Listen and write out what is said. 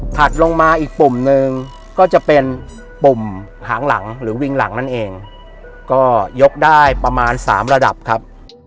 ถัดลงมาอีกปุ่มหนึ่งก็จะเป็นปุ่มหางหลังหรือวิงหลังนั่นเองก็ยกได้ประมาณสามระดับครับ